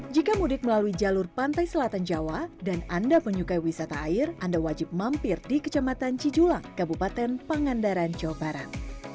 jika mudik melalui jalur pantai selatan jawa dan anda menyukai wisata air anda wajib mampir di kecamatan cijulang kabupaten pangandaran jawa barat